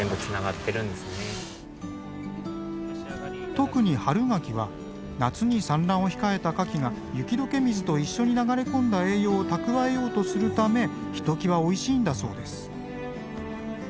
特に春ガキは夏に産卵を控えたカキが雪解け水と一緒に流れ込んだ栄養を蓄えようとするためひときわおいしいんだそうです。